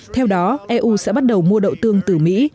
theo đó eu sẽ bắt đầu mua đậu tương từ mỹ